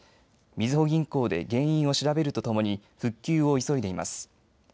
みずほ銀行で原因を調べるとともに復旧を急いでいます。